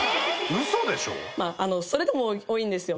蓮君：それでも多いんですよ